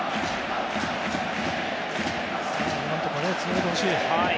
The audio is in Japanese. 何とかつないでほしい。